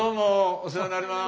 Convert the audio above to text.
お世話になります。